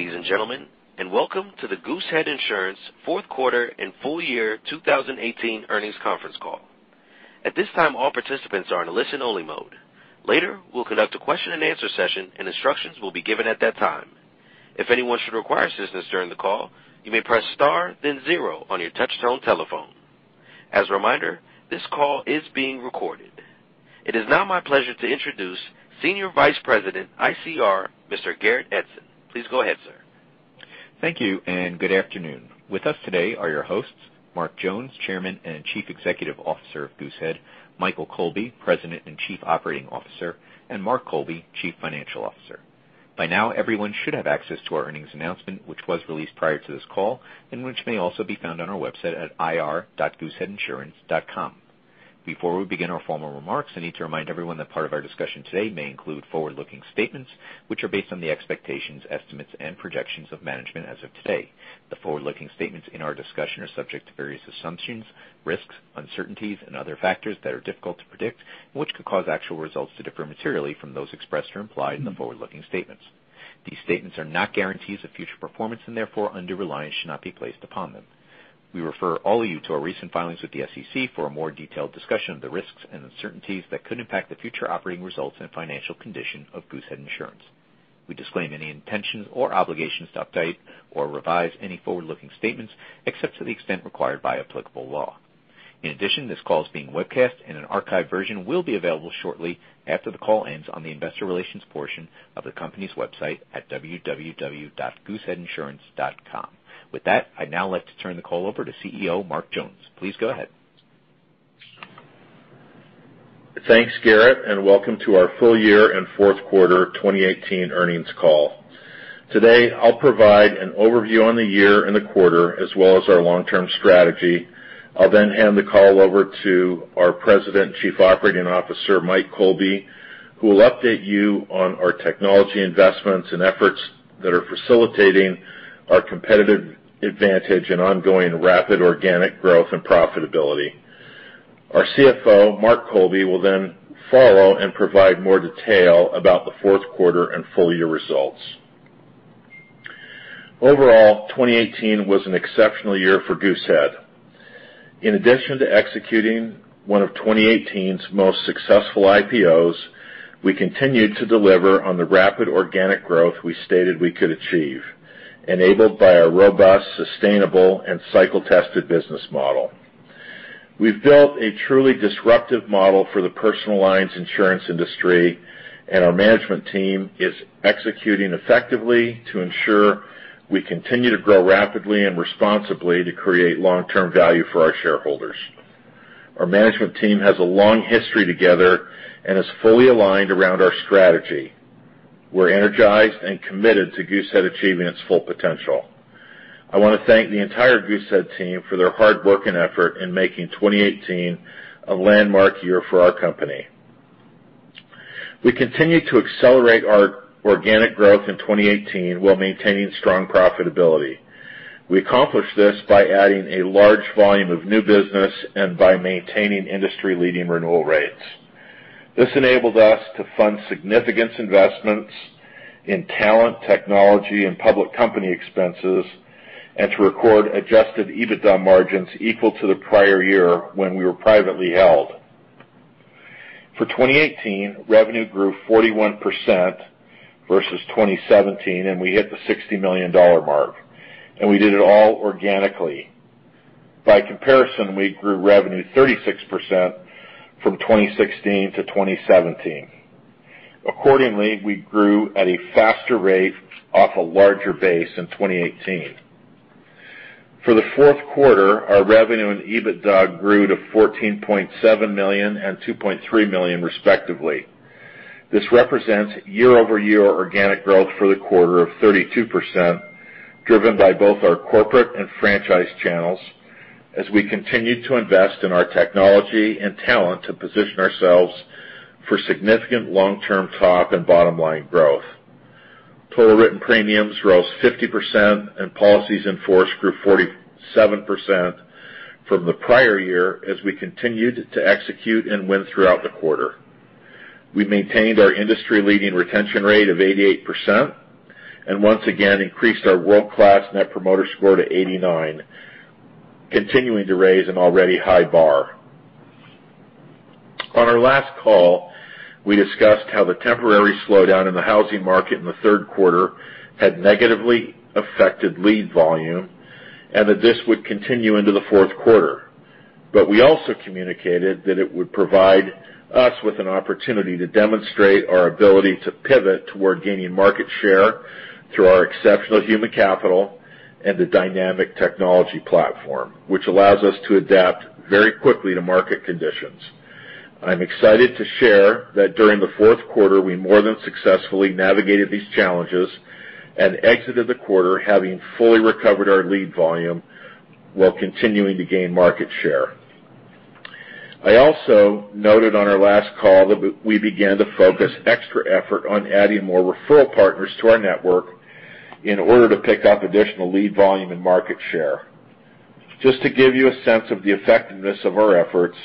Ladies and gentlemen, welcome to the Goosehead Insurance fourth quarter and full year 2018 earnings conference call. At this time, all participants are in listen only mode. Later, we'll conduct a question and answer session, and instructions will be given at that time. If anyone should require assistance during the call, you may press star then zero on your touchtone telephone. As a reminder, this call is being recorded. It is now my pleasure to introduce Senior Vice President, ICR, Mr. Garrett Edson. Please go ahead, sir. Thank you, and good afternoon. With us today are your hosts, Mark Jones, Chairman and Chief Executive Officer of Goosehead, Michael Colby, President and Chief Operating Officer, and Mark Colby, Chief Financial Officer. By now, everyone should have access to our earnings announcement, which was released prior to this call and which may also be found on our website at ir.gooseheadinsurance.com. Before we begin our formal remarks, I need to remind everyone that part of our discussion today may include forward-looking statements, which are based on the expectations, estimates, and projections of management as of today. The forward-looking statements in our discussion are subject to various assumptions, risks, uncertainties, and other factors that are difficult to predict and which could cause actual results to differ materially from those expressed or implied in the forward-looking statements. These statements are not guarantees of future performance and therefore undue reliance should not be placed upon them. We refer all of you to our recent filings with the SEC for a more detailed discussion of the risks and uncertainties that could impact the future operating results and financial condition of Goosehead Insurance. We disclaim any intentions or obligations to update or revise any forward-looking statements except to the extent required by applicable law. In addition, this call is being webcast and an archived version will be available shortly after the call ends on the investor relations portion of the company's website at www.gooseheadinsurance.com. With that, I'd now like to turn the call over to CEO Mark Jones. Please go ahead. Thanks, Garrett, and welcome to our full year and fourth quarter 2018 earnings call. Today, I'll provide an overview on the year and the quarter, as well as our long-term strategy. I'll then hand the call over to our President and Chief Operating Officer, Mike Colby, who will update you on our technology investments and efforts that are facilitating our competitive advantage and ongoing rapid organic growth and profitability. Our CFO, Mark Colby, will then follow and provide more detail about the fourth quarter and full year results. Overall, 2018 was an exceptional year for Goosehead. In addition to executing one of 2018's most successful IPOs, we continued to deliver on the rapid organic growth we stated we could achieve, enabled by our robust, sustainable, and cycle-tested business model. We've built a truly disruptive model for the personal lines insurance industry, and our management team is executing effectively to ensure we continue to grow rapidly and responsibly to create long-term value for our shareholders. Our management team has a long history together and is fully aligned around our strategy. We're energized and committed to Goosehead achieving its full potential. I want to thank the entire Goosehead team for their hard work and effort in making 2018 a landmark year for our company. We continued to accelerate our organic growth in 2018 while maintaining strong profitability. We accomplished this by adding a large volume of new business and by maintaining industry-leading renewal rates. This enabled us to fund significant investments in talent, technology, and public company expenses, and to record adjusted EBITDA margins equal to the prior year when we were privately held. For 2018, revenue grew 41% versus 2017. We hit the $60 million mark, and we did it all organically. By comparison, we grew revenue 36% from 2016 to 2017. Accordingly, we grew at a faster rate off a larger base in 2018. For the fourth quarter, our revenue and EBITDA grew to $14.7 million and $2.3 million, respectively. This represents year-over-year organic growth for the quarter of 32%, driven by both our corporate and franchise channels as we continued to invest in our technology and talent to position ourselves for significant long-term top and bottom line growth. Total written premiums rose 50% and policies in force grew 47% from the prior year as we continued to execute and win throughout the quarter. We maintained our industry-leading retention rate of 88% and once again increased our world-class Net Promoter Score to 89, continuing to raise an already high bar. On our last call, we discussed how the temporary slowdown in the housing market in the third quarter had negatively affected lead volume and that this would continue into the fourth quarter. We also communicated that it would provide us with an opportunity to demonstrate our ability to pivot toward gaining market share through our exceptional human capital and the dynamic technology platform, which allows us to adapt very quickly to market conditions. I'm excited to share that during the fourth quarter, we more than successfully navigated these challenges and exited the quarter having fully recovered our lead volume while continuing to gain market share. I also noted on our last call that we began to focus extra effort on adding more referral partners to our network in order to pick up additional lead volume and market share. Just to give you a sense of the effectiveness of our efforts,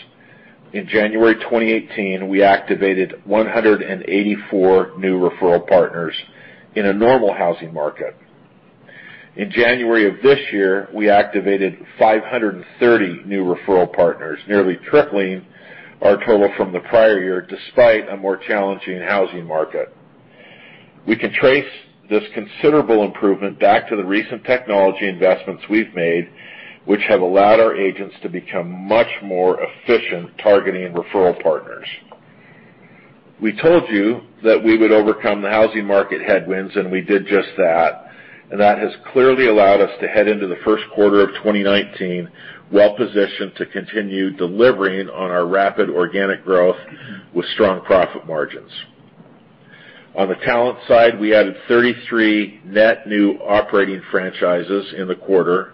in January 2018, we activated 184 new referral partners in a normal housing market. In January of this year, we activated 530 new referral partners, nearly tripling our total from the prior year, despite a more challenging housing market. We can trace this considerable improvement back to the recent technology investments we've made, which have allowed our agents to become much more efficient, targeting referral partners. We told you that we would overcome the housing market headwinds, and we did just that, and that has clearly allowed us to head into the first quarter of 2019 well positioned to continue delivering on our rapid organic growth with strong profit margins. On the talent side, we added 33 net new operating franchises in the quarter.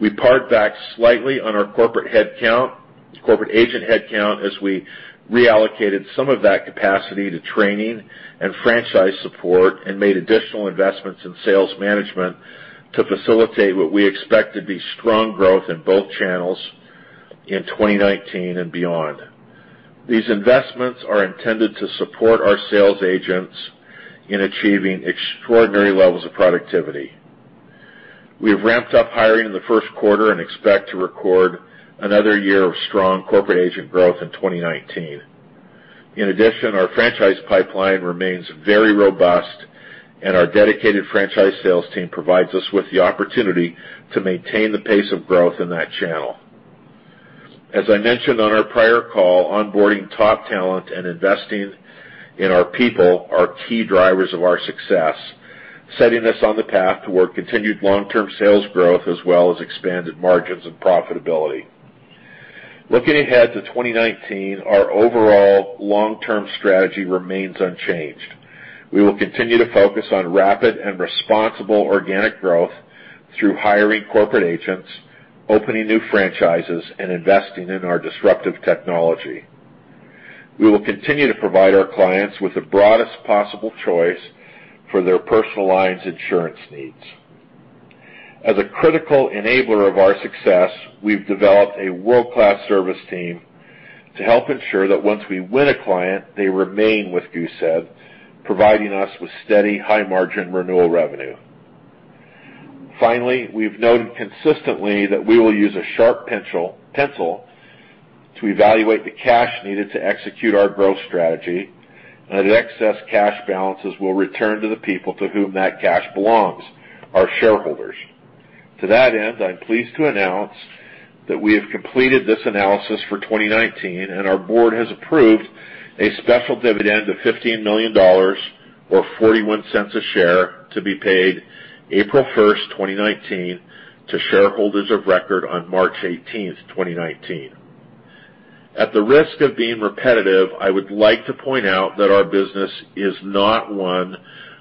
We pared back slightly on our corporate agent headcount as we reallocated some of that capacity to training and franchise support and made additional investments in sales management to facilitate what we expect to be strong growth in both channels in 2019 and beyond. These investments are intended to support our sales agents in achieving extraordinary levels of productivity. We've ramped up hiring in the first quarter and expect to record another year of strong corporate agent growth in 2019. Our franchise pipeline remains very robust, and our dedicated franchise sales team provides us with the opportunity to maintain the pace of growth in that channel. As I mentioned on our prior call, onboarding top talent and investing in our people are key drivers of our success, setting us on the path toward continued long term sales growth as well as expanded margins and profitability. Looking ahead to 2019, our overall long term strategy remains unchanged. We will continue to focus on rapid and responsible organic growth through hiring corporate agents, opening new franchises, and investing in our disruptive technology. We will continue to provide our clients with the broadest possible choice for their personal lines insurance needs. As a critical enabler of our success, we've developed a world class service team to help ensure that once we win a client, they remain with Goosehead, providing us with steady, high margin renewal revenue. We've noted consistently that we will use a sharp pencil to evaluate the cash needed to execute our growth strategy and that excess cash balances will return to the people to whom that cash belongs, our shareholders. To that end, I'm pleased to announce that we have completed this analysis for 2019, and our board has approved a special dividend of $15 million, or $0.41 a share to be paid April 1st, 2019, to shareholders of record on March 18th, 2019. At the risk of being repetitive, I would like to point out that our business is not one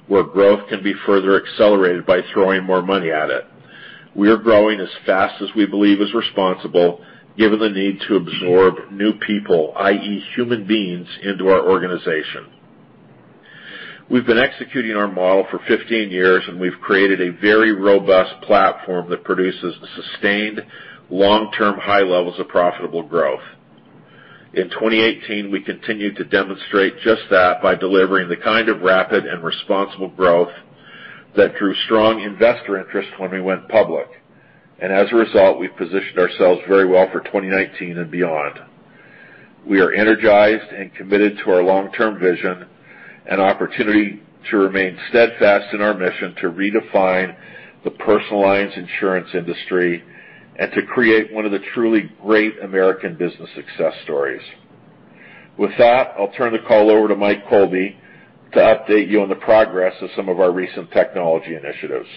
where growth can be further accelerated by throwing more money at it. We are growing as fast as we believe is responsible, given the need to absorb new people, i.e., human beings, into our organization. We've been executing our model for 15 years, and we've created a very robust platform that produces sustained long term high levels of profitable growth. In 2018, we continued to demonstrate just that by delivering the kind of rapid and responsible growth that drew strong investor interest when we went public. As a result, we've positioned ourselves very well for 2019 and beyond. We are energized and committed to our long term vision and opportunity to remain steadfast in our mission to redefine the personal lines insurance industry and to create one of the truly great American business success stories. With that, I'll turn the call over to Mike Colby to update you on the progress of some of our recent technology initiatives.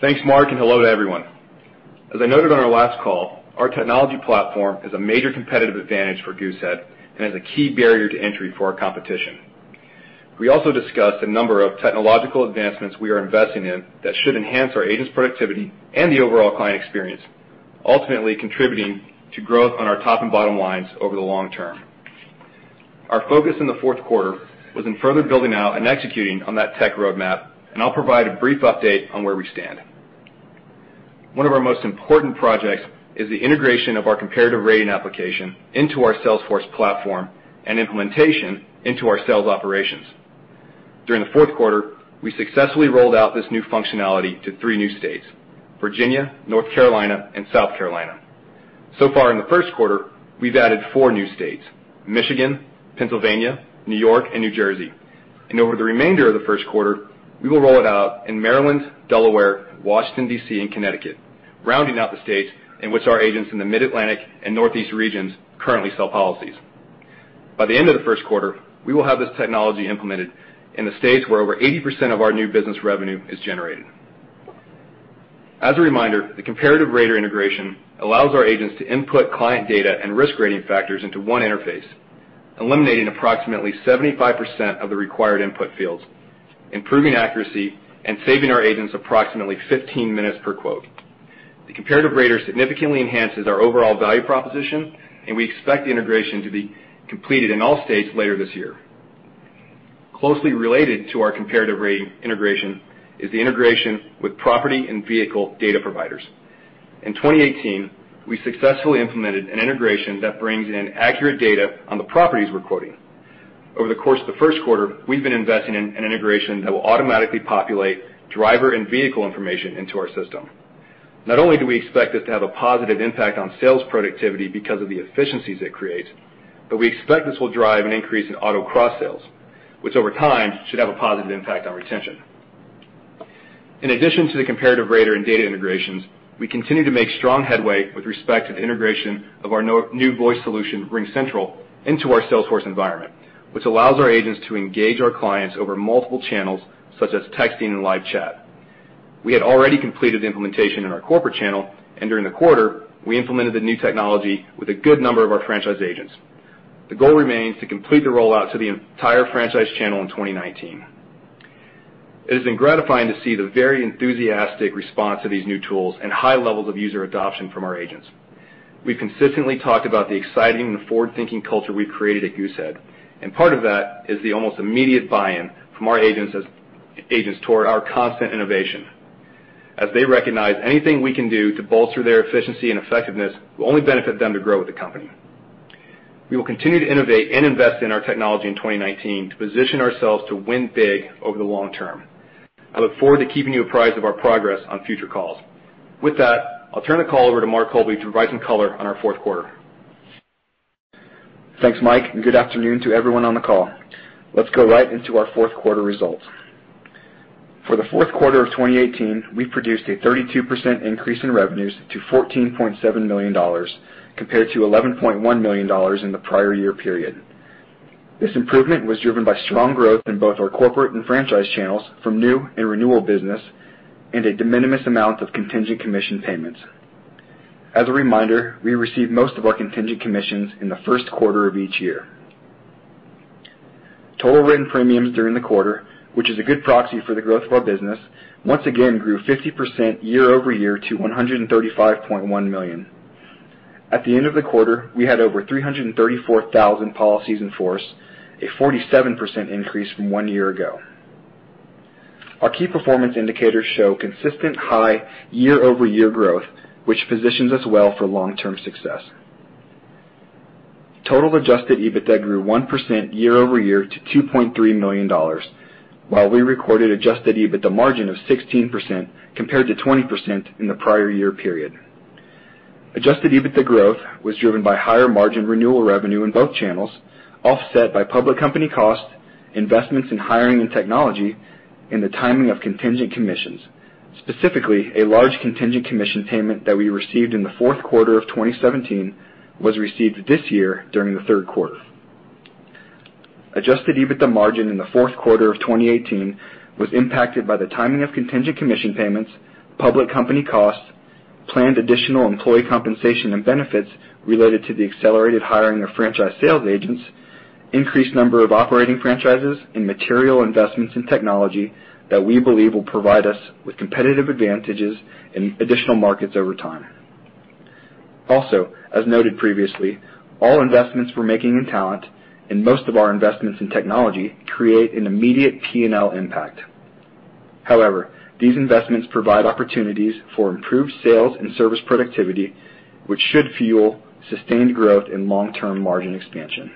Thanks, Mark, and hello to everyone. As I noted on our last call, our technology platform is a major competitive advantage for Goosehead and is a key barrier to entry for our competition. We also discussed a number of technological advancements we are investing in that should enhance our agents' productivity and the overall client experience, ultimately contributing to growth on our top and bottom lines over the long term. Our focus in the fourth quarter was on further building out and executing on that tech roadmap, and I'll provide a brief update on where we stand. One of our most important projects is the integration of our comparative rating application into our Salesforce platform and implementation into our sales operations. During the fourth quarter, we successfully rolled out this new functionality to three new states, Virginia, North Carolina, and South Carolina. Far in the first quarter, we've added four new states, Michigan, Pennsylvania, New York, and New Jersey. Over the remainder of the first quarter, we will roll it out in Maryland, Delaware, Washington, D.C., and Connecticut, rounding out the states in which our agents in the Mid-Atlantic and Northeast regions currently sell policies. By the end of the first quarter, we will have this technology implemented in the states where over 80% of our new business revenue is generated. As a reminder, the comparative rater integration allows our agents to input client data and risk rating factors into one interface, eliminating approximately 75% of the required input fields, improving accuracy, and saving our agents approximately 15 minutes per quote. The comparative rater significantly enhances our overall value proposition, and we expect the integration to be completed in all states later this year. Closely related to our comparative rating integration is the integration with property and vehicle data providers. In 2018, we successfully implemented an integration that brings in accurate data on the properties we're quoting. Over the course of the first quarter, we've been investing in an integration that will automatically populate driver and vehicle information into our system. Not only do we expect this to have a positive impact on sales productivity because of the efficiencies it creates, but we expect this will drive an increase in auto cross-sales, which over time should have a positive impact on retention. In addition to the comparative rater and data integrations, we continue to make strong headway with respect to the integration of our new voice solution, RingCentral, into our Salesforce environment, which allows our agents to engage our clients over multiple channels such as texting and live chat. We had already completed the implementation in our corporate channel, and during the quarter, we implemented the new technology with a good number of our franchise agents. The goal remains to complete the rollout to the entire franchise channel in 2019. It has been gratifying to see the very enthusiastic response to these new tools and high levels of user adoption from our agents. We've consistently talked about the exciting and forward-thinking culture we've created at Goosehead, and part of that is the almost immediate buy-in from our agents toward our constant innovation, as they recognize anything we can do to bolster their efficiency and effectiveness will only benefit them to grow with the company. We will continue to innovate and invest in our technology in 2019 to position ourselves to win big over the long term. I look forward to keeping you apprised of our progress on future calls. With that, I'll turn the call over to Mark Colby to provide some color on our fourth quarter. Thanks, Mike, and good afternoon to everyone on the call. Let's go right into our fourth quarter results. For the fourth quarter of 2018, we produced a 32% increase in revenues to $14.7 million, compared to $11.1 million in the prior year period. This improvement was driven by strong growth in both our corporate and franchise channels from new and renewal business, and a de minimis amount of contingent commission payments. As a reminder, we receive most of our contingent commissions in the first quarter of each year. Total written premiums during the quarter, which is a good proxy for the growth of our business, once again grew 50% year-over-year to $135.1 million. At the end of the quarter, we had over 334,000 policies in force, a 47% increase from one year ago. Our key performance indicators show consistent high year-over-year growth, which positions us well for long-term success. Total adjusted EBITDA grew 1% year-over-year to $2.3 million, while we recorded adjusted EBITDA margin of 16% compared to 20% in the prior year period. Adjusted EBITDA growth was driven by higher margin renewal revenue in both channels, offset by public company costs, investments in hiring and technology, and the timing of contingent commissions. Specifically, a large contingent commission payment that we received in the fourth quarter of 2017 was received this year during the third quarter. Adjusted EBITDA margin in the fourth quarter of 2018 was impacted by the timing of contingent commission payments, public company costs, planned additional employee compensation and benefits related to the accelerated hiring of franchise sales agents, increased number of operating franchises, and material investments in technology that we believe will provide us with competitive advantages in additional markets over time. As noted previously, all investments we're making in talent and most of our investments in technology create an immediate P&L impact. These investments provide opportunities for improved sales and service productivity, which should fuel sustained growth and long-term margin expansion.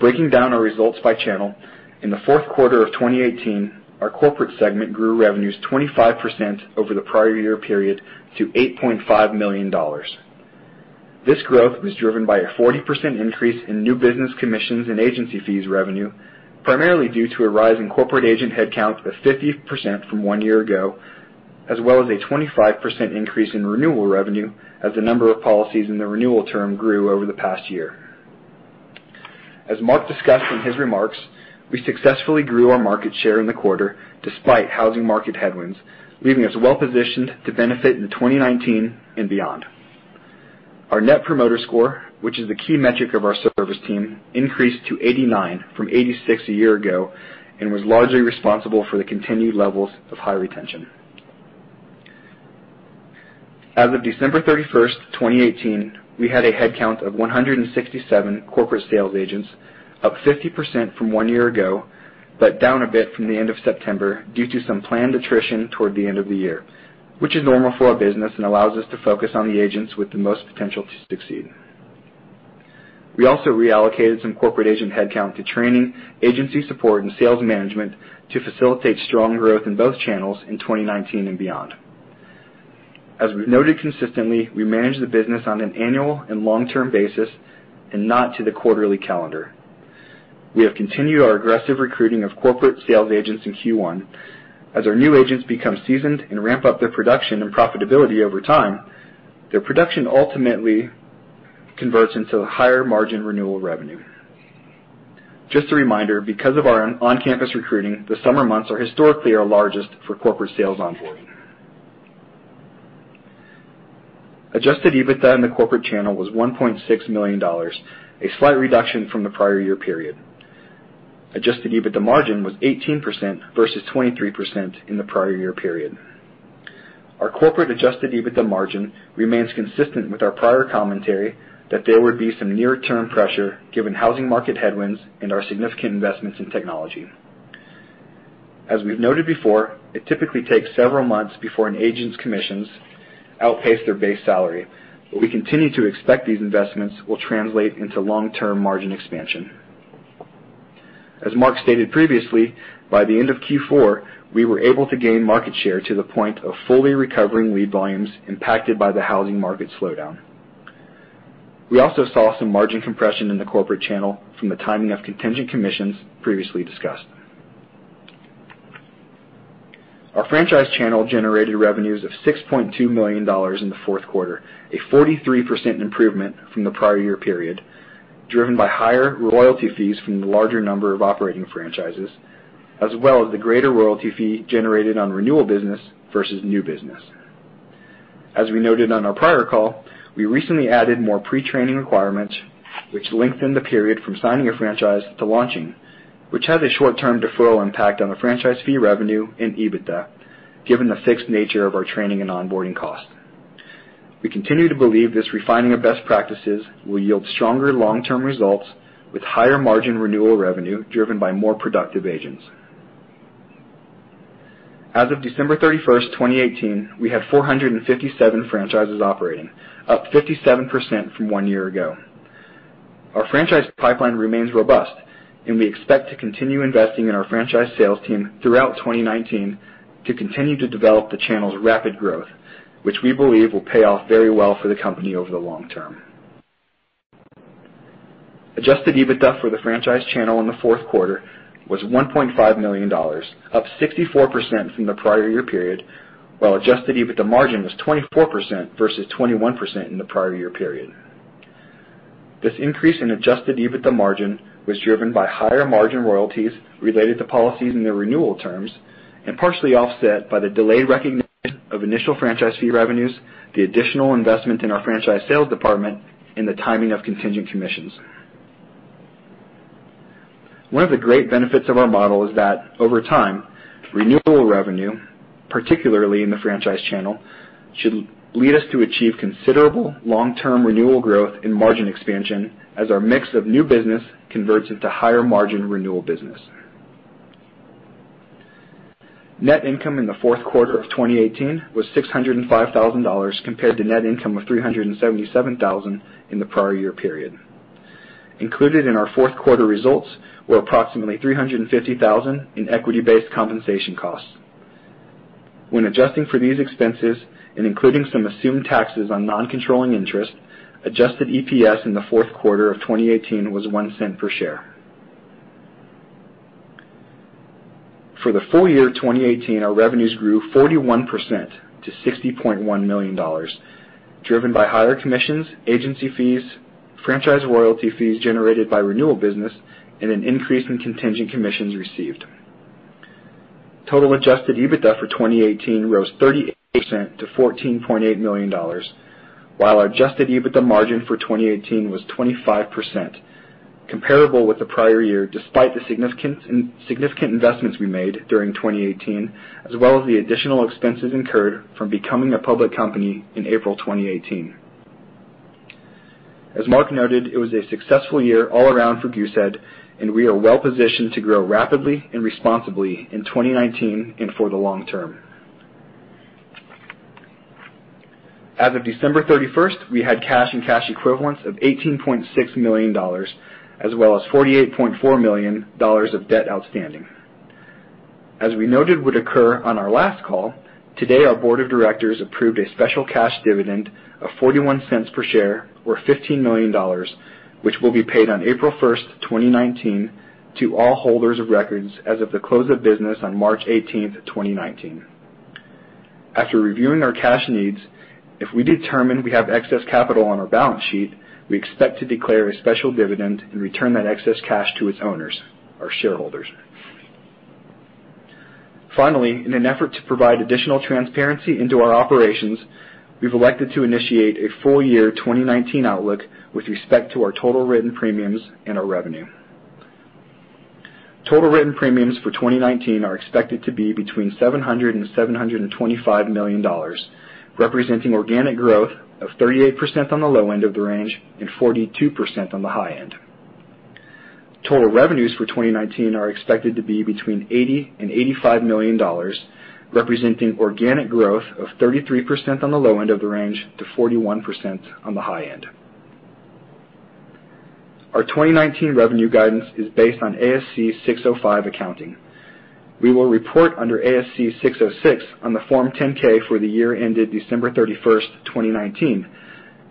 Breaking down our results by channel, in the fourth quarter of 2018, our corporate segment grew revenues 25% over the prior year period to $8.5 million. This growth was driven by a 40% increase in new business commissions and agency fees revenue, primarily due to a rise in corporate agent headcount of 50% from one year ago, as well as a 25% increase in renewal revenue as the number of policies in the renewal term grew over the past year. As Mark discussed in his remarks, we successfully grew our market share in the quarter despite housing market headwinds, leaving us well positioned to benefit in 2019 and beyond. Our Net Promoter Score, which is the key metric of our service team, increased to 89 from 86 a year ago and was largely responsible for the continued levels of high retention. As of December 31st, 2018, we had a headcount of 167 corporate sales agents, up 50% from one year ago, but down a bit from the end of September due to some planned attrition toward the end of the year, which is normal for our business and allows us to focus on the agents with the most potential to succeed. We also reallocated some corporate agent headcount to training, agency support, and sales management to facilitate strong growth in both channels in 2019 and beyond. As we've noted consistently, we manage the business on an annual and long-term basis and not to the quarterly calendar. We have continued our aggressive recruiting of corporate sales agents in Q1. As our new agents become seasoned and ramp up their production and profitability over time, their production ultimately converts into higher margin renewal revenue. Just a reminder, because of our on-campus recruiting, the summer months are historically our largest for corporate sales onboarding. Adjusted EBITDA in the corporate channel was $1.6 million, a slight reduction from the prior year period. Adjusted EBITDA margin was 18% versus 23% in the prior year period. Our corporate Adjusted EBITDA margin remains consistent with our prior commentary that there would be some near-term pressure, given housing market headwinds and our significant investments in technology. As we've noted before, it typically takes several months before an agent's commissions outpace their base salary. We continue to expect these investments will translate into long-term margin expansion. As Mark stated previously, by the end of Q4, we were able to gain market share to the point of fully recovering lead volumes impacted by the housing market slowdown. We also saw some margin compression in the corporate channel from the timing of contingent commissions previously discussed. Our franchise channel generated revenues of $6.2 million in the fourth quarter, a 43% improvement from the prior year period, driven by higher royalty fees from the larger number of operating franchises, as well as the greater royalty fee generated on renewal business versus new business. As we noted on our prior call, we recently added more pre-training requirements, which lengthened the period from signing a franchise to launching, which has a short-term deferral impact on the franchise fee revenue and EBITDA, given the fixed nature of our training and onboarding cost. We continue to believe this refining of best practices will yield stronger long-term results with higher margin renewal revenue driven by more productive agents. As of December 31st, 2018, we had 457 franchises operating, up 57% from one year ago. Our franchise pipeline remains robust. We expect to continue investing in our franchise sales team throughout 2019 to continue to develop the channel's rapid growth, which we believe will pay off very well for the company over the long term. Adjusted EBITDA for the franchise channel in the fourth quarter was $1.5 million, up 64% from the prior year period, while adjusted EBITDA margin was 24% versus 21% in the prior year period. This increase in adjusted EBITDA margin was driven by higher margin royalties related to policies in the renewal terms and partially offset by the delayed recognition of initial franchise fee revenues, the additional investment in our franchise sales department, and the timing of contingent commissions. One of the great benefits of our model is that over time, renewal revenue, particularly in the franchise channel, should lead us to achieve considerable long-term renewal growth and margin expansion as our mix of new business converts into higher margin renewal business. Net income in the fourth quarter of 2018 was $605,000 compared to net income of $377,000 in the prior year period. Included in our fourth quarter results were approximately $350,000 in equity-based compensation costs. When adjusting for these expenses and including some assumed taxes on non-controlling interest, adjusted EPS in the fourth quarter of 2018 was $0.01 per share. For the full year 2018, our revenues grew 41% to $60.1 million, driven by higher commissions, agency fees, franchise royalty fees generated by renewal business, and an increase in contingent commissions received. Total adjusted EBITDA for 2018 rose 38% to $14.8 million, while our adjusted EBITDA margin for 2018 was 25%, comparable with the prior year despite the significant investments we made during 2018, as well as the additional expenses incurred from becoming a public company in April 2018. As Mark noted, it was a successful year all around for Goosehead, and we are well positioned to grow rapidly and responsibly in 2019 and for the long term. As of December 31st, we had cash and cash equivalents of $18.6 million, as well as $48.4 million of debt outstanding. As we noted would occur on our last call, today our board of directors approved a special cash dividend of $0.41 per share or $15 million, which will be paid on April 1st, 2019, to all holders of records as of the close of business on March 18th, 2019. After reviewing our cash needs, if we determine we have excess capital on our balance sheet, we expect to declare a special dividend and return that excess cash to its owners, our shareholders. In an effort to provide additional transparency into our operations, we've elected to initiate a full year 2019 outlook with respect to our total written premiums and our revenue. Total written premiums for 2019 are expected to be between $700 million-$725 million, representing organic growth of 38% on the low end of the range and 42% on the high end. Total revenues for 2019 are expected to be between $80 million-$85 million, representing organic growth of 33% on the low end of the range to 41% on the high end. Our 2019 revenue guidance is based on ASC 605 accounting. We will report under ASC 606 on the Form 10-K for the year ended December 31st, 2019.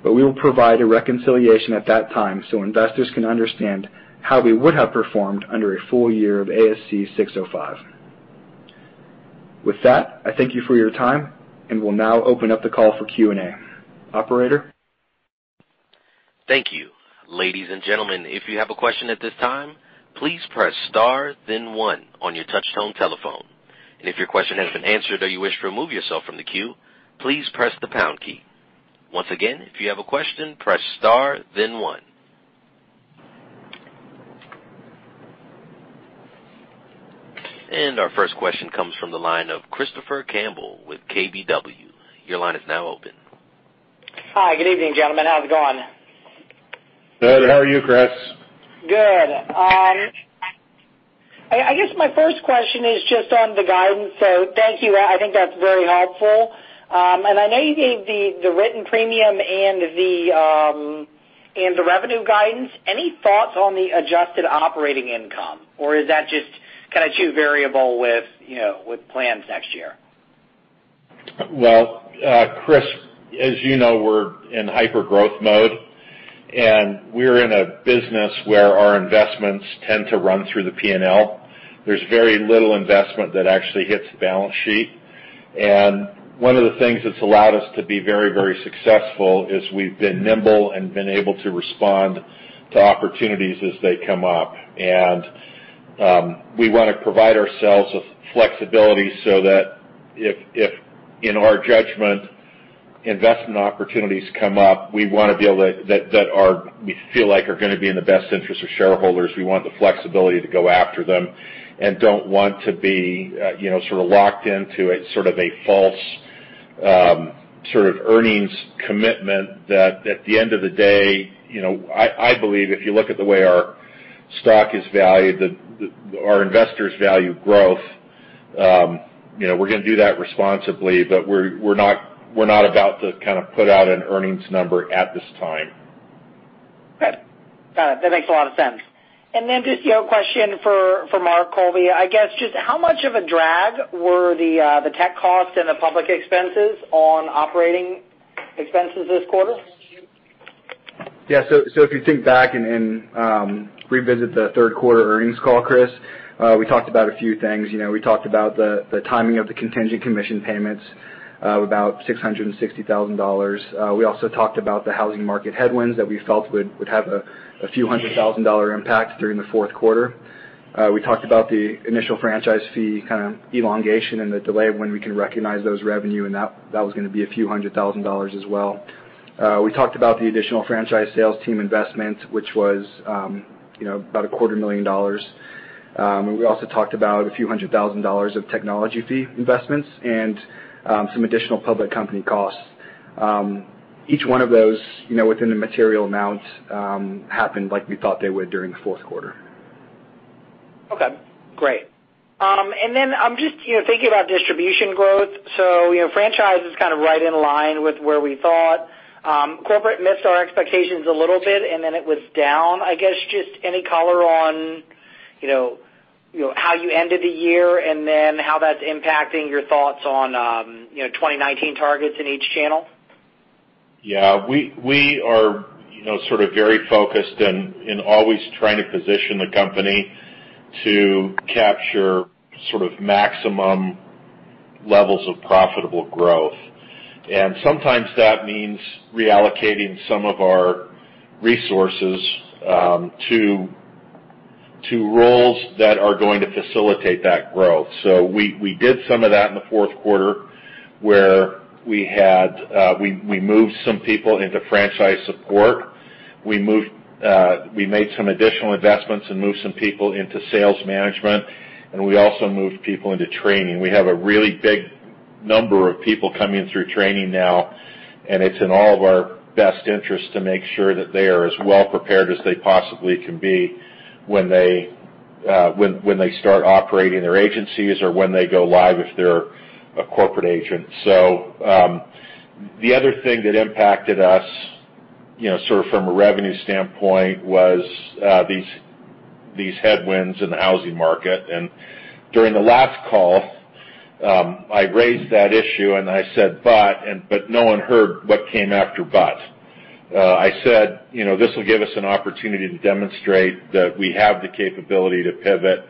We will provide a reconciliation at that time so investors can understand how we would have performed under a full year of ASC 605. With that, I thank you for your time and will now open up the call for Q&A. Operator? Thank you. Ladies and gentlemen, if you have a question at this time, please press star then one on your touch tone telephone. If your question has been answered or you wish to remove yourself from the queue, please press the pound key. Once again, if you have a question, press star then one. Our first question comes from the line of Christopher Campbell with KBW. Your line is now open. Hi. Good evening, gentlemen. How's it going? Good. How are you, Chris? Good. I guess my first question is just on the guidance, so thank you. I think that's very helpful. I know you gave the written premium and the revenue guidance. Any thoughts on the adjusted operating income, or is that just kind of too variable with plans next year? Well, Chris, as you know, we're in hyper-growth mode, and we're in a business where our investments tend to run through the P&L. There's very little investment that actually hits the balance sheet. One of the things that's allowed us to be very successful is we've been nimble and been able to respond to opportunities as they come up. We want to provide ourselves with flexibility so that if, in our judgment, investment opportunities come up, that we feel like are going to be in the best interest of shareholders, we want the flexibility to go after them and don't want to be sort of locked into a sort of a false earnings commitment that at the end of the day, I believe if you look at the way our stock is valued, our investors value growth. We're going to do that responsibly, but we're not about to kind of put out an earnings number at this time. Got it. That makes a lot of sense. Then just a question for Mark Colby. I guess, just how much of a drag were the tech costs and the public expenses on operating expenses this quarter? If you think back and revisit the third quarter earnings call, Chris, we talked about a few things. We talked about the timing of the contingent commission payments of about $660,000. We also talked about the housing market headwinds that we felt would have a few hundred thousand dollar impact during the fourth quarter. We talked about the initial franchise fee kind of elongation and the delay of when we can recognize those revenue, and that was going to be a few hundred thousand dollars as well. We talked about the additional franchise sales team investment, which was about a quarter million dollars. We also talked about a few hundred thousand dollars of technology fee investments and some additional public company costs. Each one of those within the material amounts happened like we thought they would during the fourth quarter. Okay, great. I'm just thinking about distribution growth. Franchise is kind of right in line with where we thought. Corporate missed our expectations a little bit. It was down. I guess, just any color on how you ended the year and then how that's impacting your thoughts on 2019 targets in each channel? Yeah. We are sort of very focused in always trying to position the company to capture sort of maximum levels of profitable growth. Sometimes that means reallocating some of our resources to roles that are going to facilitate that growth. We did some of that in the fourth quarter, where we moved some people into franchise support. We made some additional investments and moved some people into sales management, and we also moved people into training. We have a really big number of people coming through training now, and it's in all of our best interests to make sure that they are as well prepared as they possibly can be when they start operating their agencies or when they go live if they're a corporate agent. The other thing that impacted us from a revenue standpoint was these headwinds in the housing market. During the last call, I raised that issue and I said but, no one heard what came after but. I said, this will give us an opportunity to demonstrate that we have the capability to pivot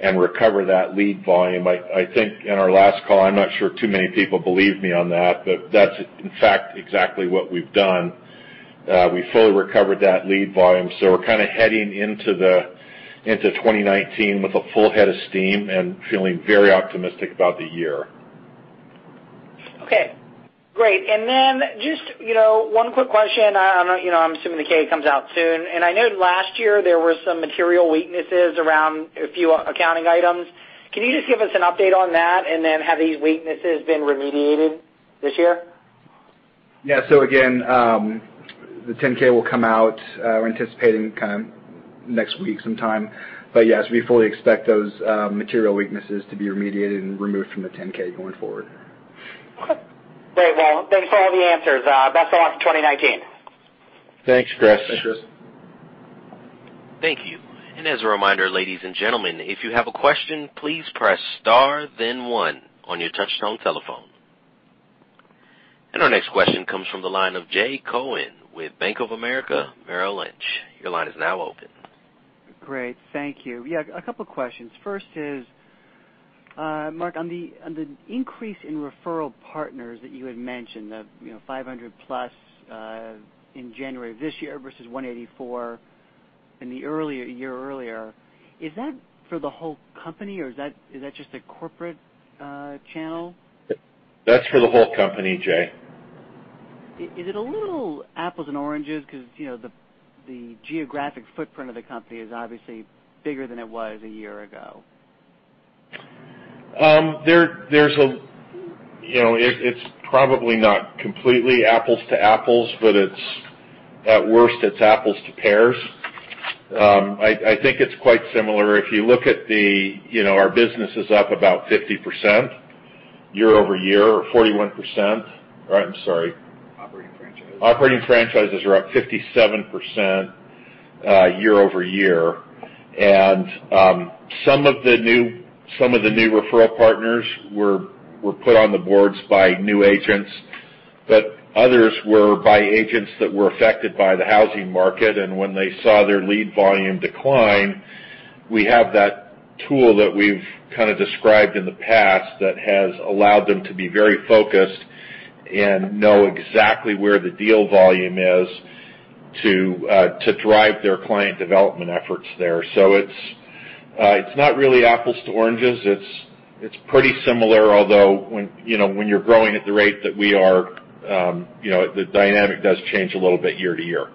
and recover that lead volume. I think in our last call, I'm not sure too many people believed me on that, but that's in fact exactly what we've done. We fully recovered that lead volume. We're kind of heading into 2019 with a full head of steam and feeling very optimistic about the year. Okay, great. Just one quick question. I'm assuming the K comes out soon. I know last year, there were some material weaknesses around a few accounting items. Can you just give us an update on that? Have these weaknesses been remediated this year? Yeah. Again, the 10-K will come out, we're anticipating kind of next week sometime. Yes, we fully expect those material weaknesses to be remediated and removed from the 10-K going forward. Okay. Great. Thanks for all the answers. Best of luck for 2019. Thanks, Chris. Thanks, Chris. Thank you. As a reminder, ladies and gentlemen, if you have a question, please press star then one on your touchtone telephone. Our next question comes from the line of Jay Cohen with Bank of America Merrill Lynch. Your line is now open. Great. Thank you. Yeah, a couple questions. First is, Mark, on the increase in referral partners that you had mentioned, the 500+ in January of this year versus 184 a year earlier, is that for the whole company or is that just a corporate channel? That's for the whole company, Jay. Is it a little apples and oranges? The geographic footprint of the company is obviously bigger than it was a year ago. It's probably not completely apples to apples, but at worst, it's apples to pears. I think it's quite similar. If you look at our business is up about 50% year-over-year or 41%. I'm sorry. Operating franchises. Operating franchises are up 57% year-over-year. Some of the new referral partners were put on the boards by new agents, but others were by agents that were affected by the housing market. When they saw their lead volume decline, we have that tool that we've kind of described in the past that has allowed them to be very focused and know exactly where the deal volume is to drive their client development efforts there. It's not really apples to oranges. It's pretty similar. Although when you're growing at the rate that we are, the dynamic does change a little bit year to year.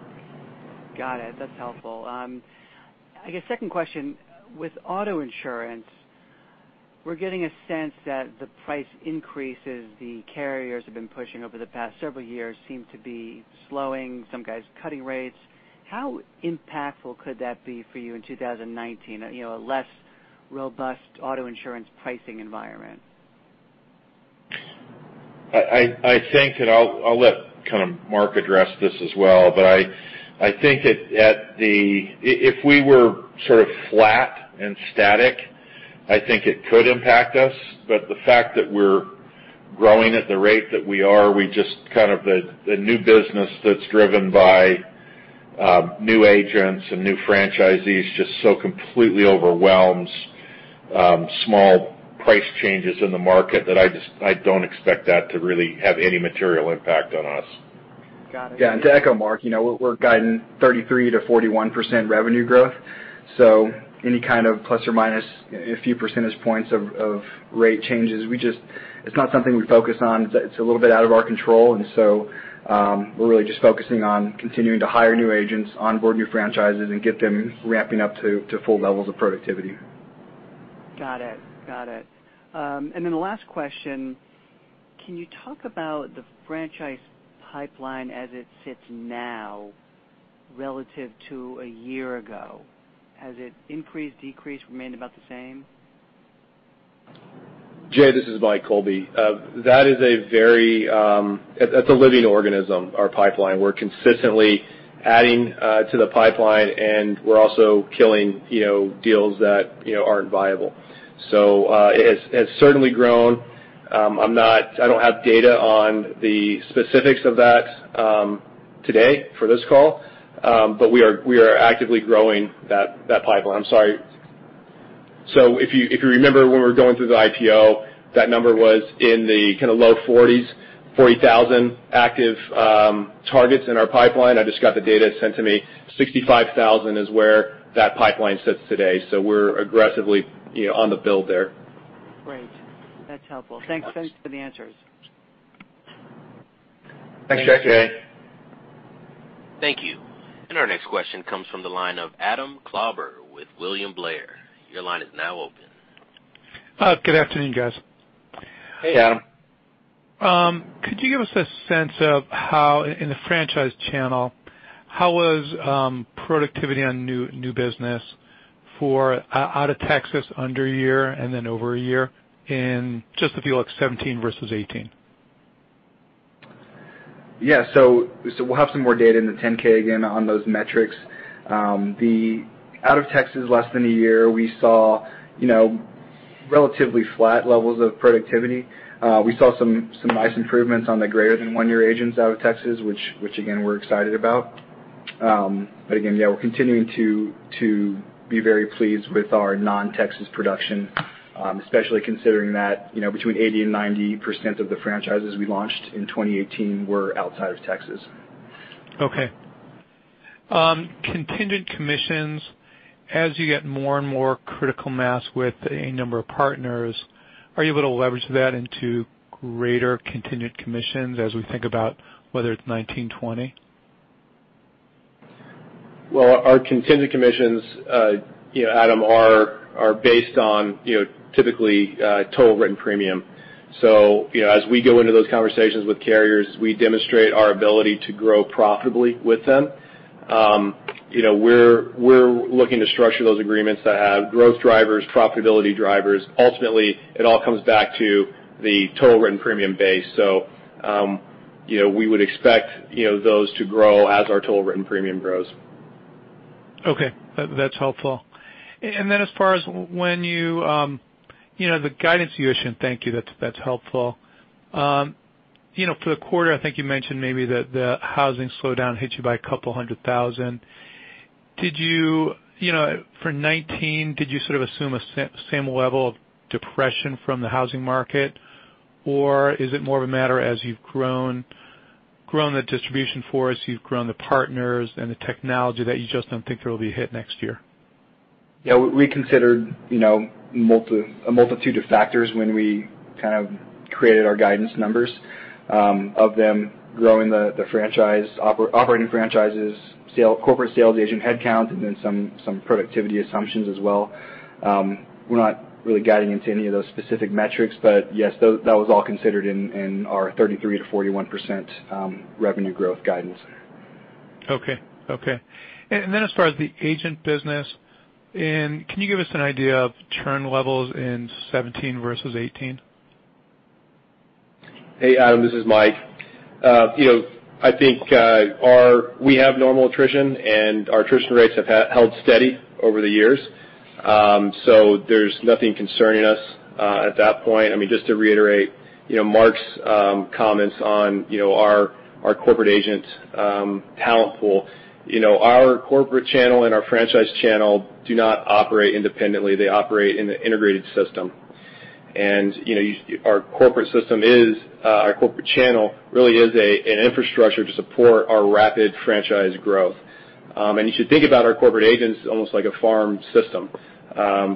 Got it. That's helpful. I guess second question. With auto insurance, we're getting a sense that the price increases the carriers have been pushing over the past several years seem to be slowing. Some guys cutting rates. How impactful could that be for you in 2019? A less robust auto insurance pricing environment. I think. I'll let Mark address this as well. I think if we were sort of flat and static, I think it could impact us. The fact that we're growing at the rate that we are, the new business that's driven by new agents and new franchisees just so completely overwhelms small price changes in the market that I don't expect that to really have any material impact on us. Got it. Yeah. To echo Mark, we're guiding 33%-41% revenue growth. Any kind of plus or minus a few percentage points of rate changes, it's not something we focus on. It's a little bit out of our control. We're really just focusing on continuing to hire new agents, onboard new franchises, and get them ramping up to full levels of productivity. Got it. Then the last question. Can you talk about the franchise pipeline as it sits now relative to a year ago? Has it increased, decreased, remained about the same? Jay, this is Mike Colby. That's a living organism, our pipeline. We're consistently adding to the pipeline, and we're also killing deals that aren't viable. It has certainly grown. I don't have data on the specifics of that today for this call. But we are actively growing that pipeline. I'm sorry. If you remember when we were going through the IPO, that number was in the low 40s, 40,000 active targets in our pipeline. I just got the data sent to me. 65,000 is where that pipeline sits today. We're aggressively on the build there. Great. That's helpful. Thanks for the answers. Thanks, Jay. Thanks, Jay. Thank you. Our next question comes from the line of Adam Klauber with William Blair. Your line is now open. Good afternoon, guys. Hey, Adam. Could you give us a sense of how, in the franchise channel, how was productivity on new business for out of Texas under a year and then over a year in just if you look 2017 versus 2018? Yeah. We'll have some more data in the 10-K again on those metrics. The out of Texas less than a year, we saw relatively flat levels of productivity. We saw some nice improvements on the greater than one-year agents out of Texas, which again, we're excited about. Again, yeah, we're continuing to be very pleased with our non-Texas production, especially considering that between 80% and 90% of the franchises we launched in 2018 were outside of Texas. Okay. Contingent commissions, as you get more and more critical mass with a number of partners, are you able to leverage that into greater contingent commissions as we think about whether it's 2019, 2020? Well, our contingent commissions, Adam, are based on typically, total written premium. As we go into those conversations with carriers, we demonstrate our ability to grow profitably with them. We're looking to structure those agreements that have growth drivers, profitability drivers. Ultimately, it all comes back to the total written premium base. We would expect those to grow as our total written premium grows. Okay. That's helpful. As far as when you the guidance you issued, thank you, that's helpful. For the quarter, I think you mentioned maybe that the housing slowdown hit you by a couple hundred thousand. For 2019, did you sort of assume a same level of depression from the housing market, or is it more of a matter as you've grown the distribution force, you've grown the partners and the technology that you just don't think there will be a hit next year? Yeah, we considered a multitude of factors when we created our guidance numbers, of them growing the operating franchises, corporate sales, agent headcount, and then some productivity assumptions as well. We're not really guiding into any of those specific metrics, but yes, that was all considered in our 33%-41% revenue growth guidance. Okay. As far as the agent business, can you give us an idea of churn levels in 2017 versus 2018? Hey, Adam, this is Mike Colby. I think we have normal attrition, and our attrition rates have held steady over the years. There's nothing concerning us at that point. Just to reiterate Mark's comments on our corporate agent talent pool. Our corporate channel and our franchise channel do not operate independently. They operate in an integrated system. Our corporate channel really is an infrastructure to support our rapid franchise growth. You should think about our corporate agents almost like a farm system,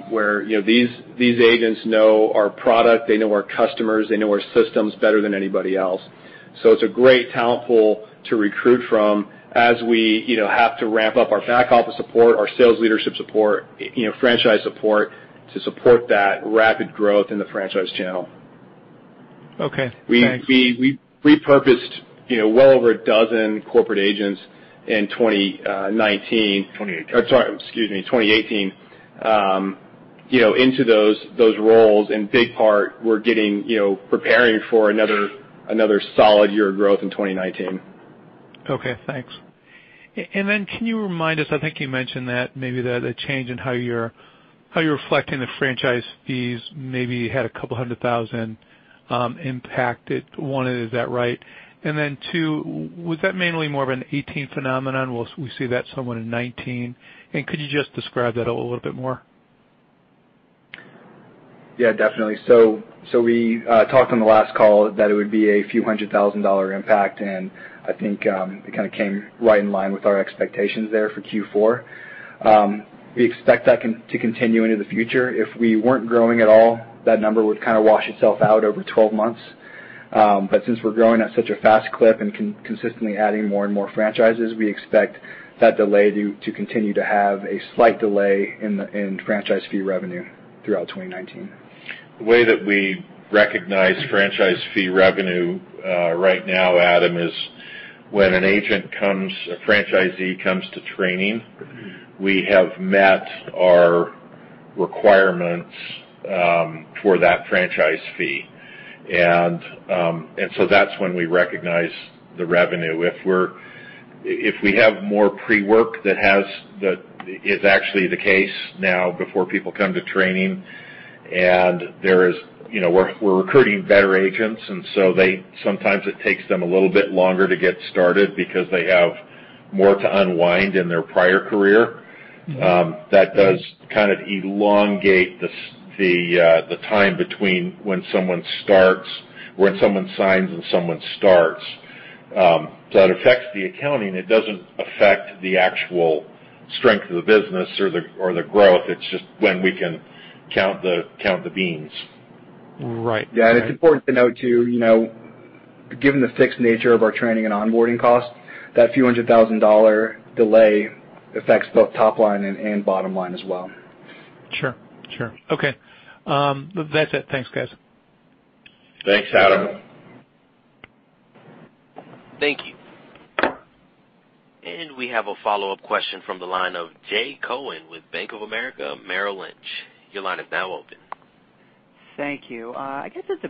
where these agents know our product, they know our customers, they know our systems better than anybody else. It's a great talent pool to recruit from as we have to ramp up our back office support, our sales leadership support, franchise support to support that rapid growth in the franchise channel. Okay, thanks. We repurposed well over 12 corporate agents in 2019. 2018. Sorry, excuse me, 2018, into those roles. In big part, we're preparing for another solid year of growth in 2019. Okay, thanks. Can you remind us, I think you mentioned that maybe the change in how you're reflecting the franchise fees maybe had $200,000 impacted. One, is that right? Two, was that mainly more of a 2018 phenomenon? Will we see that somewhat in 2019? Could you just describe that a little bit more? We talked on the last call that it would be a few hundred thousand dollar impact, and I think it kind of came right in line with our expectations there for Q4. We expect that to continue into the future. If we weren't growing at all, that number would kind of wash itself out over 12 months. Since we're growing at such a fast clip and consistently adding more and more franchises, we expect that delay to continue to have a slight delay in franchise fee revenue throughout 2019. The way that we recognize franchise fee revenue right now, Adam, is when a franchisee comes to training, we have met our requirements for that franchise fee. That's when we recognize the revenue. If we have more pre-work, that is actually the case now before people come to training, and we're recruiting better agents, sometimes it takes them a little bit longer to get started because they have more to unwind in their prior career. That does kind of elongate the time between when someone signs and someone starts. That affects the accounting. It doesn't affect the actual strength of the business or the growth. It's just when we can count the beans. Right. It's important to note, too, given the fixed nature of our training and onboarding costs, that few hundred thousand dollar delay affects both top line and bottom line as well. Sure. Okay. That's it. Thanks, guys. Thanks, Adam. Thank you. We have a follow-up question from the line of Jay Cohen with Bank of America Merrill Lynch. Your line is now open. Thank you. I guess it's a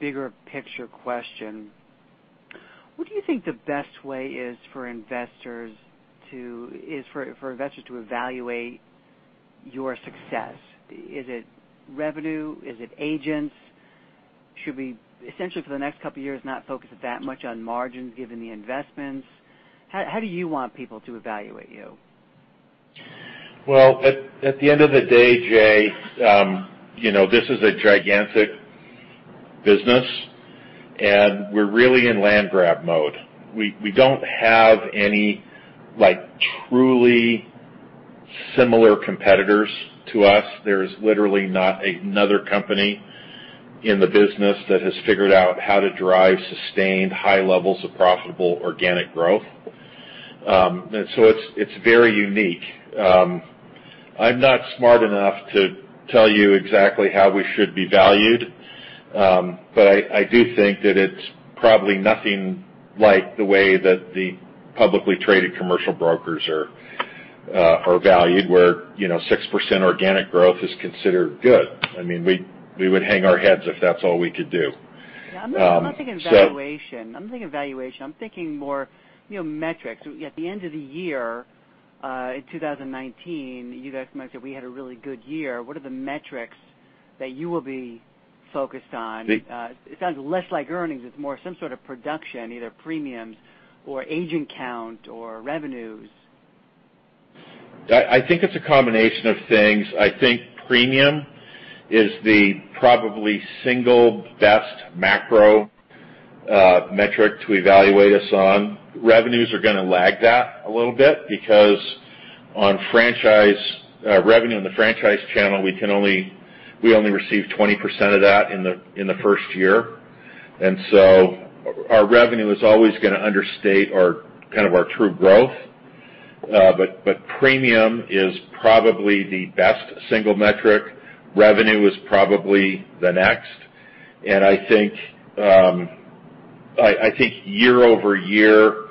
bigger picture question. What do you think the best way is for investors to evaluate your success? Is it revenue? Is it agents? Should we, essentially for the next couple of years, not focus that much on margins given the investments? How do you want people to evaluate you? Well, at the end of the day, Jay, this is a gigantic business, and we're really in land grab mode. We don't have any truly similar competitors to us. There is literally not another company in the business that has figured out how to drive sustained high levels of profitable organic growth. It's very unique. I'm not smart enough to tell you exactly how we should be valued, but I do think that it's probably nothing like the way that the publicly traded commercial brokers are valued, where 6% organic growth is considered good. We would hang our heads if that's all we could do. Yeah, I'm not thinking valuation. I'm thinking more metrics. At the end of the year in 2019, you guys might say, "We had a really good year." What are the metrics that you will be focused on? It sounds less like earnings. It's more some sort of production, either premiums or agent count or revenues. I think it's a combination of things. I think premium is the probably single best macro metric to evaluate us on. Revenues are going to lag that a little bit because on revenue in the franchise channel, we only receive 20% of that in the first year. Our revenue is always going to understate our true growth. Premium is probably the best single metric. Revenue is probably the next. I think year-over-year,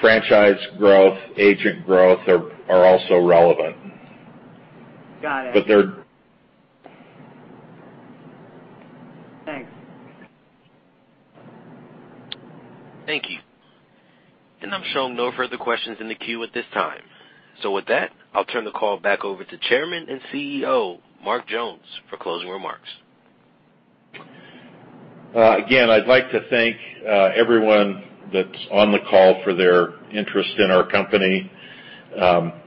franchise growth, agent growth are also relevant. Got it. But they're- Thanks. Thank you. I'm showing no further questions in the queue at this time. With that, I'll turn the call back over to Chairman and CEO, Mark Jones, for closing remarks. Again, I'd like to thank everyone that's on the call for their interest in our company.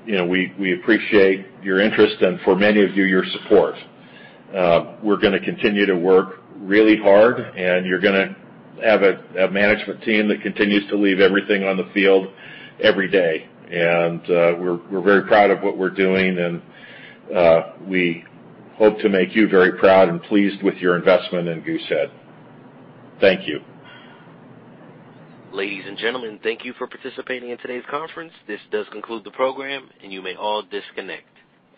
We appreciate your interest and for many of you, your support. We're going to continue to work really hard, and you're going to have a management team that continues to leave everything on the field every day. We're very proud of what we're doing, and we hope to make you very proud and pleased with your investment in Goosehead. Thank you. Ladies and gentlemen, thank you for participating in today's conference. This does conclude the program, and you may all disconnect.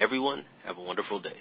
Everyone, have a wonderful day.